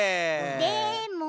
でも。